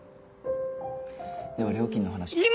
では料金の話を。